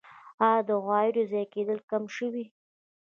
آیا د عوایدو ضایع کیدل کم شوي؟